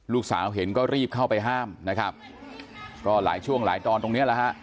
ลูกสาวเห็นก็รีบเข้าไปห้ามนะครับก็หลายช่วงหลายตอนตรงเนี้ยแหละฮะ